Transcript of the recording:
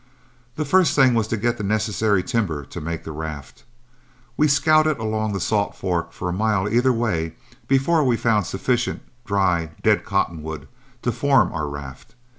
The first thing was to get the necessary timber to make the raft. We scouted along the Salt Fork for a mile either way before we found sufficient dry, dead cottonwood to form our raft.